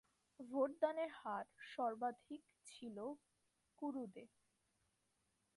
ভোটদানের হার সর্বাধিক ছিল কুরুদে।